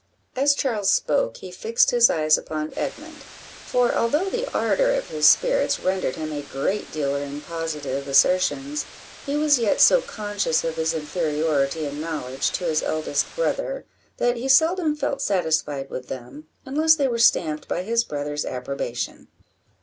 As Charles spoke, he fixed his eyes upon Edmund; for although the ardour of his spirits rendered him a great dealer in positive assertions, he was yet so conscious of his inferiority in knowledge to his eldest brother, that he seldom felt satisfied with them, unless they were stamped by his brother's approbation.